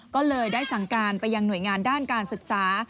ก็เลยได้สั่งการไปยังหน่วยงานด้านการศึกษา